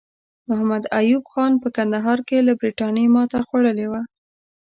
محمد ایوب خان په کندهار کې له برټانیې ماته خوړلې وه.